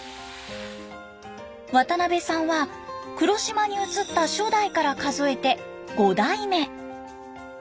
渡邊さんは黒島に移った初代から数えて五代目。